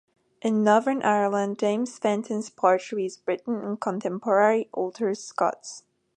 In Northern Ireland, James Fenton's poetry is written in contemporary Ulster Scots.